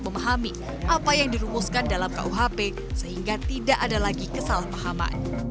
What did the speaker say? memahami apa yang dirumuskan dalam kuhp sehingga tidak ada lagi kesalahpahaman